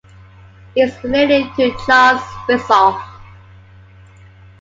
He is related to Charles Wisoff.